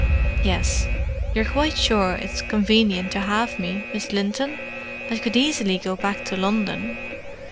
"Yes. You're quite sure it's convenient to have me, Miss Linton? I could easily go back to London."